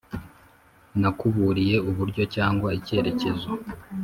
Nakuburiye uburyo cyangwa icyerekezo